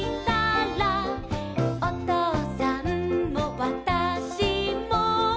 「おとうさんもわたしも」